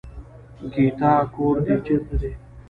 ګيتا کور دې چېرته دی.